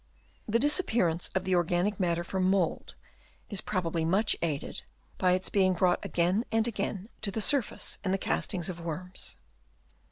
The disappearance of the organic matter from mould is probably much aided by its being brought again and again to the surface in the castings of worms.